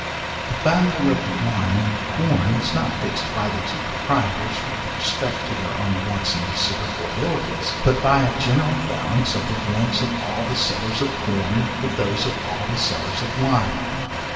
The value of the wine and corn is not fixed by the two proprietors with respect to their own wants and reciprocal abilities, but by a general balance of the wants of all the sellers of corn, with those of all the sellers of wine.